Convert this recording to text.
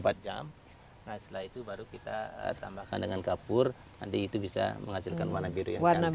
setelah itu baru kita tambahkan dengan kapur nanti itu bisa menghasilkan warna biru yang cantik